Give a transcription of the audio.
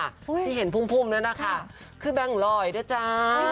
ที่เห็นพุ่มนั้นนะคะคือแบงก์หลอยนะจ้า